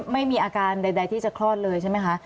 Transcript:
ไม่มีอาการใดที่จะคลอดเลยใช่ไหมคะ